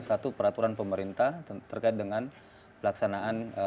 satu peraturan pemerintah terkait dengan pelaksanaan